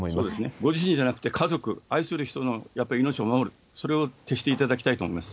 ご自身だけじゃなくて、家族、愛する人のやっぱり命を守る、それを徹底していただきたいと思います。